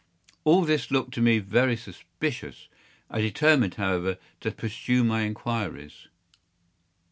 All this looked to me very suspicious. I determined, however, to pursue my inquiries.